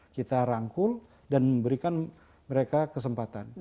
kita rangkul dan memberikan mereka kesempatan